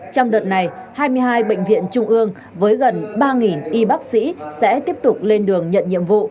trong đợt này hai mươi hai bệnh viện trung ương với gần ba y bác sĩ sẽ tiếp tục lên đường nhận nhiệm vụ